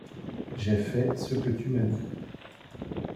j'ai fait ce que tu m'as dit.